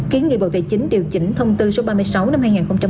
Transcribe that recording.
kiến nghị bộ tài chính điều chỉnh thông tư số ba mươi sáu năm hai nghìn một mươi chín